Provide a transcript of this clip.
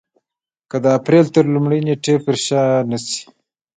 که د اپرېل تر لومړۍ نېټې پر شا نه شي.